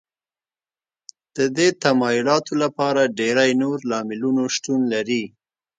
د دې تمایلاتو لپاره ډېری نور لاملونو شتون لري